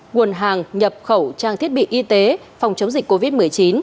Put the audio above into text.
nguồn hàng nhập khẩu trang thiết bị y tế phòng chống dịch covid một mươi chín